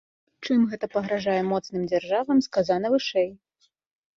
Чым гэта пагражае моцным дзяржавам, сказана вышэй.